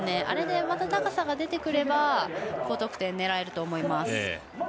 あれでまた高さが出てくれば高得点を狙えると思います。